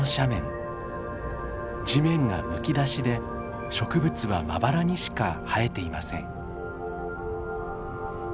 地面がむき出しで植物はまばらにしか生えていません。